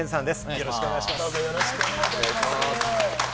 よろしくお願いします。